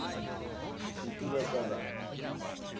いくらかだ。